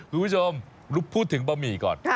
ทุกวิชมพูดถึงบะหมี่ก่อน